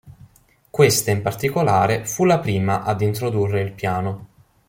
Questa in particolare fu la prima ad introdurre il piano.